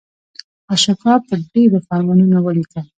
اشوکا په ډبرو فرمانونه ولیکل.